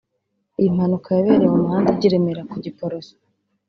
Iyi mpanuka yabereye mu muhanda ujya I Remera ku Giporoso